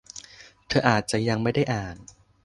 เธออาจจะยังไม่ได้อ่าน